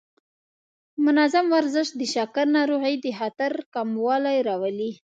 منظم ورزش د شکر ناروغۍ د خطر کموالی راولي.